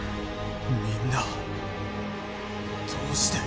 みんなどうして。